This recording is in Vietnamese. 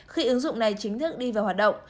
khi ứng dụng này chính thức đi vào hoạt động